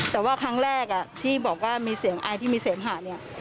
แต่ว่าครั้งแรกที่บอกว่ามีเสียงอายที่มีเสมหาเนี่ย